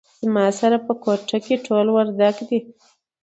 زما سره په کوټه کې ټول وردګ دي